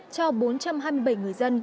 cho bốn trăm hai mươi bảy người dân